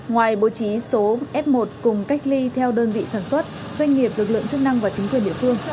ngoài bố trí số f một cùng cách ly theo đơn vị sản xuất doanh nghiệp lực lượng chức năng và chính quyền địa phương